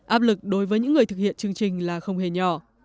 áp lực đối với những người thực hiện chương trình là không hề nhỏ